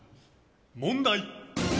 問題！